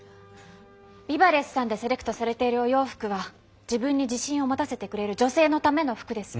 ＢＩＢＡＬＥＳＳさんでセレクトされているお洋服は自分に自信を持たせてくれる女性のための服です。